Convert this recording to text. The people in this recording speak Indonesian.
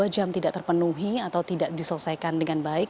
dua jam tidak terpenuhi atau tidak diselesaikan dengan baik